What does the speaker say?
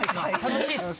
楽しいっす！